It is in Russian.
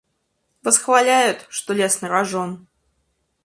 Восхваляют, что лез на рожон.